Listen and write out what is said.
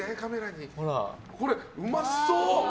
これうまそう！